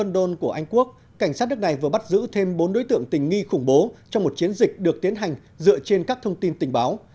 trong đất nước london của anh quốc cảnh sát đất này vừa bắt giữ thêm bốn đối tượng tình nghi khủng bố trong một chiến dịch được tiến hành dựa trên các thông tin tình báo